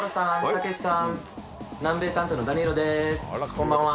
こんばんは。